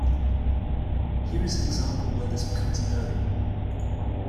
Here is an example where this becomes a hurdle.